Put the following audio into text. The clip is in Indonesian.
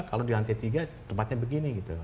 kalau di lantai tiga tempatnya begini gitu